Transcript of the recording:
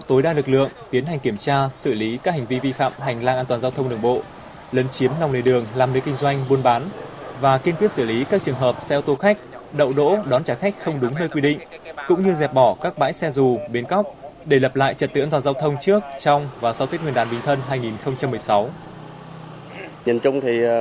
thực hiện kế hoạch của ban an toàn giao thông tỉnh bình phước về mở đợt cao điểm đảm bảo trật tứ an toàn giao thông trước trong và sau tết nguyên đán bình thân và lễ hội xuân hai nghìn một mươi sáu